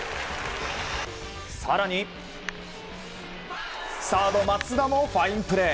更にサード、松田もファインプレー！